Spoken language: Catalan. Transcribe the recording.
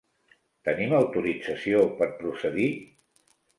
Tenim autorització per procedir?